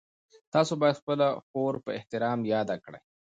تاسو باید خپله خور په احترام یاده کړئ.